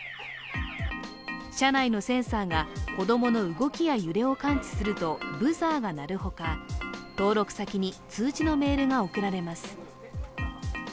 車内のセンサーが子供の動きや揺れを感知するとブザーが鳴るほか、登録先に通知のメールが送られます。